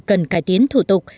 cần cải tiến thủ tục